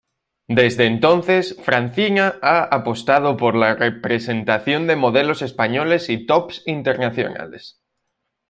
Desde entonces Francina ha apostado por la representación de modelos españoles y tops internacionales.